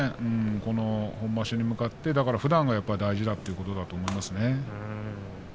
この本場所に向かって、だからふだんが大事だということだと思いますね。